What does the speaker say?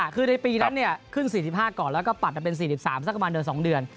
คือในปีนั้นขึ้น๔๕ก่อนแล้วก็ปัดไปเป็น๔๓สักประมาณเดือน๒เดือน